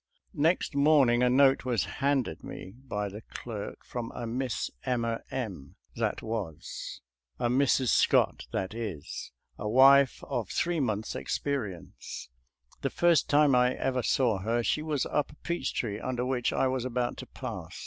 Next morning a note was handed me by the clerk from a Miss Emma M —— that was, a Mrs. Scott that is, a wife of three months' experi ence. The first time I ever saw her she was up a peach tree under which I was about to pass.